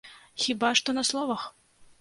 Хіба што на словах.